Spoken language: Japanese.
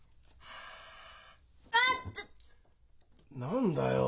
何だよ？